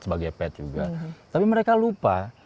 sebagai pet juga tapi mereka lupa